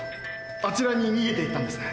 あちらに逃げて行ったんですね？